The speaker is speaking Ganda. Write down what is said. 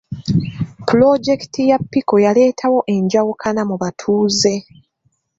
Pulojekiti ya pico yaleetawo enjawukana mu batuuze.